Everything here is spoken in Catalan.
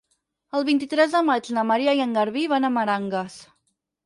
El vint-i-tres de maig na Maria i en Garbí van a Meranges.